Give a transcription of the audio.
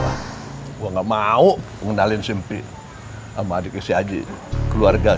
gue gak mau pengendalin simpi sama adiknya si aji keluarga